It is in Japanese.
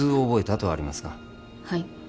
はい。